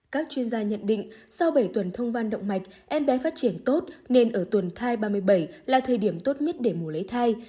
các chuyên gia nhận định sau bảy tuần thông văn động mạch em bé phát triển tốt nên ở tuần thai ba mươi bảy là thời điểm tốt nhất để mùa lấy thai